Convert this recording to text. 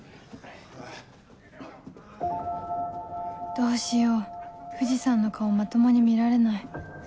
どうしよう藤さんの顔まともに見られない